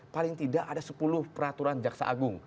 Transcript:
paling tidak ada sepuluh peraturan jaksa agung